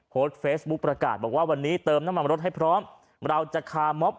โพสต์เฟซบุ๊คประกาศบอกว่าวันนี้เติมน้ำมันรถให้พร้อมเราจะคาร์มอบ